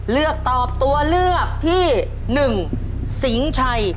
เลือกตอบตัวเลือกที่๑สิงห์ชัย